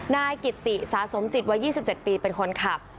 นายกิติสาสมจิตวัย๒๗ปีเป็นคนขับ